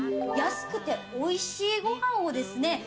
安くておいしいご飯をですね